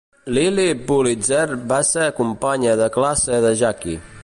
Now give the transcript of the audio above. Lilly Pulitzer va ser companya de classe de Jackie.